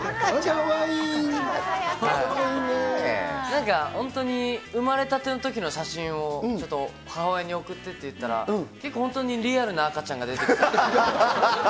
なんか、本当に生まれたてのときの写真をちょっと母親に送ってって言ったら、結構、本当にリアルな赤ちゃんが出てきた。